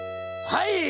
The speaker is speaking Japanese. はい！